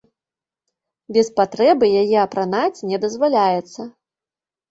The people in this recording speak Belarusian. Без патрэбы яе апранаць не дазваляецца.